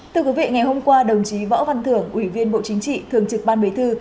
thưa quý vị ngày hôm qua đồng chí võ văn thưởng ủy viên bộ chính trị thường trực ban bế thư